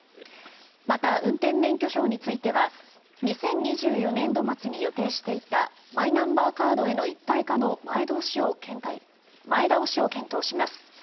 また、運転免許証については２０２４年度末に予定していたマイナンバーカードへの一体化の前倒しを検討します。